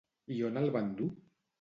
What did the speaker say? I on el van dur?